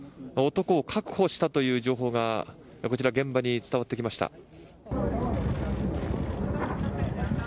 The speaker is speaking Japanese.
男を確保したという情報が現場に伝わってきました。